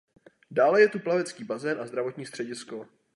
Dále je tu plavecký bazén a zdravotní středisko.